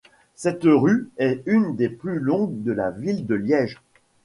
Cette rue est une des plus longues de la ville de Liège.